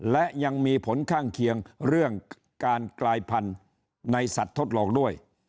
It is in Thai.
และยังมีผลข้างเคียงเรื่องการกลายพันธุ์ในสัตว์ทดลองด้วย